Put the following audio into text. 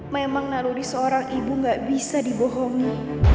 memang naruri seorang ibu gak bisa dibohongi